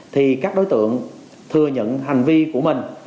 thì các đối tượng thừa nhận hành vi của mình